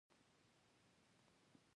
کاکړ ډېر زړور او میلمهپال خلک لري.